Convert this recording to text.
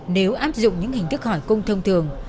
nếu áp dụng những hình thức hỏi cung thông thường